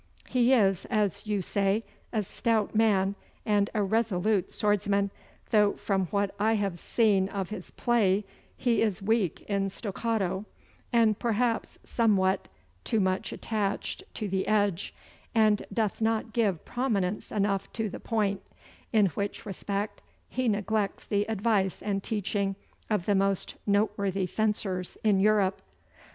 He is as you say a stout man and a resolute swordsman, though from what I have seen of his play he is weak in stoccado, and perhaps somewhat too much attached to the edge, and doth not give prominence enough to the point, in which respect he neglects the advice and teaching of the most noteworthy fencers in Europe.